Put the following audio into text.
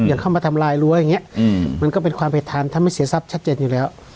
เข้ามาทำลายรั้วอย่างนี้มันก็เป็นความผิดธรรมถ้าไม่เสียทรัพย์ชัดเจนอยู่แล้ว